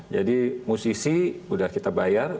jadi musisi udah kita bayar